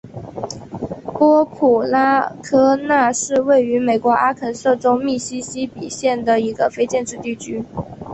波普拉科纳是位于美国阿肯色州密西西比县的一个非建制地区。